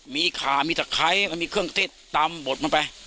มีขามีตะไคร้ก็มีเครื่องเทศตำบดมันไป